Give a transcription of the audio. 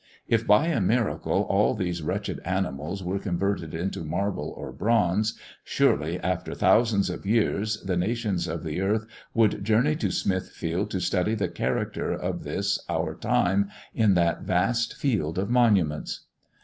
If by a miracle all these wretched animals were converted into marble or bronze, surely after thousands of years, the nations of the earth would journey to Smithfield to study the character of this our time in that vast field of monuments.